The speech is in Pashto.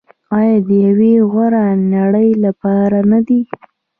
آیا د یوې غوره نړۍ لپاره نه دی؟